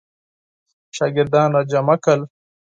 شاګردان را جمع کړل.